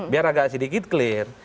biar agak sedikit clear